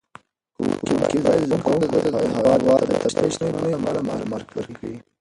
ښوونکي باید زده کوونکو ته د هېواد د طبیعي شتمنیو په اړه معلومات ورکړي.